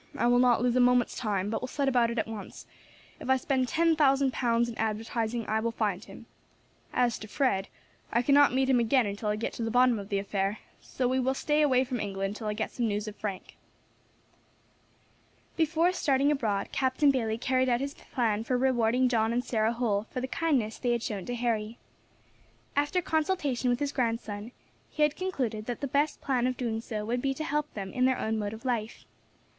I will not lose a moment's time, but will set about it at once; if I spend ten thousand pounds in advertising I will find him. As to Fred, I cannot meet him again until I get to the bottom of the affair, so we will stay away from England till I get some news of Frank." Before starting abroad, Captain Bayley carried out his plan for rewarding John and Sarah Holl for the kindness they had shown to Harry. After consultation with his grandson, he had concluded that the best plan of doing so would be to help them in their own mode of life.